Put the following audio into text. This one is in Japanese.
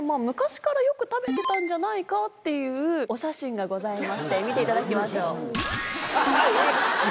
昔からよく食べてたんじゃないかっていうお写真がございまして見ていただきましょう。